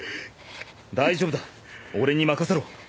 大丈夫だ俺に任せろ。